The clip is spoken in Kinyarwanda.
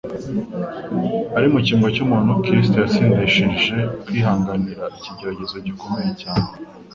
Ari mu cyimbo cy'umuntu, Kristo yatsindishije kwihanganira ikigeragezo gikomeye cyane.